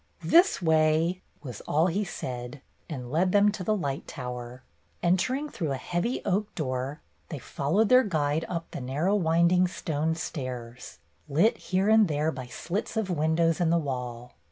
"This way," was all he said, and led them to the light tower. Entering through a heavy oak door, they followed their guide up the narrow winding stone stairs, lit here and there by slits of windows in the wall.